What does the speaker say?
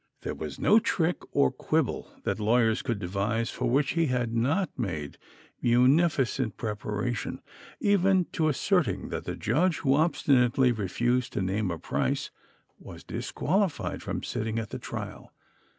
There was no trick or quibble that lawyers could devise for which he had not made munificent preparation, even to asserting that the judge who obstinately refused to name a price was disqualified from sitting at the trial.